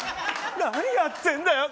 何やってんだよ。